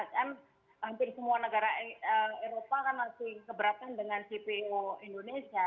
hampir semua negara eropa kan masih keberatan dengan cpo indonesia